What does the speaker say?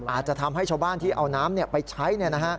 อาจจะทำให้ชาวบ้านที่เอาน้ำไปใช้